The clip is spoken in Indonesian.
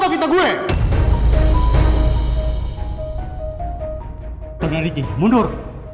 saya tidak mau terjadi hal yang tidak diinginkan